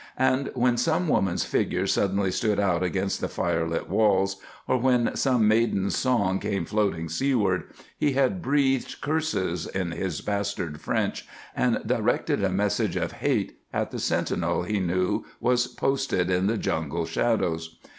And when some woman's figure suddenly stood out against the firelit walls, or when some maiden's song came floating seaward, he had breathed curses in his bastard French, and directed a message of hate at the sentinel he knew was posted in the jungle shadows.